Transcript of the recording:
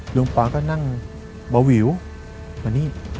หลวงป๊าก็นั่งเบาวิวมานี่